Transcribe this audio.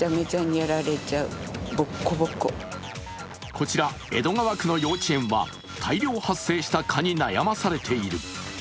こちら、江戸川区の幼稚園は大量発生した蚊に悩まされている。